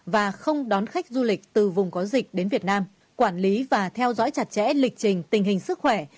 và không đón khách du lịch từ vùng có dịch đến việt nam quản lý và theo dõi chặt chẽ lịch trình tình hình sức khỏe